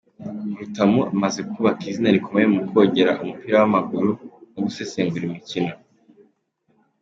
Rutamu amaze kubaka izina rikomeye mu kogera umupira w’ amaguru no gusesengura imikino.